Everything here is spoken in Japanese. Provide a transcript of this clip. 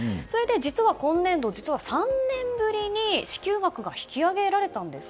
実は今年度３年ぶりに支給額が引き上げられたんです。